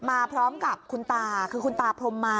มาพร้อมกับคุณตาคือคุณตาพรมมา